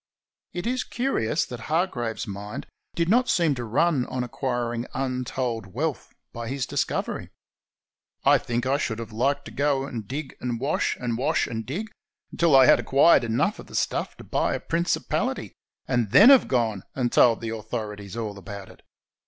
It is curious that Hargraves's mind did not seem to run on acquiring imtold wealth by his discovery. I think I should have liked to go and dig and wash, and wash and dig, until I had acquired enough of the stuff to buy a principality, and then have gone and told the authorities all about it.